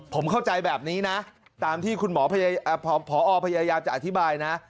ผมเข้าใจแบบนี้นะตามที่คุณหมอพอพยายามจะอธิบายนะ